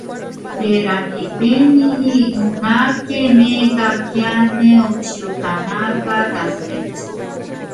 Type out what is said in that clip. Porque en otro tiempo erais tinieblas; mas ahora sois luz en el Señor: